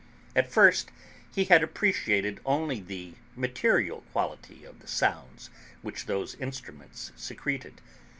At first he had appreciated only the material quality of the sounds which those instruments secreted.